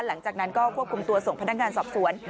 หลังจากนั้นก็ควบคุมตัวส่งพนักงานสอบสวน